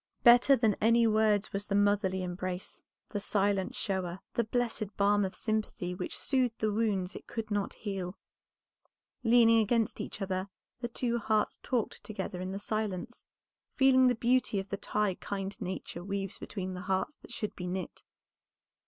Better than any words was the motherly embrace, the silent shower, the blessed balm of sympathy which soothed the wounds it could not heal. Leaning against each other the two hearts talked together in the silence, feeling the beauty of the tie kind Nature weaves between the hearts that should be knit.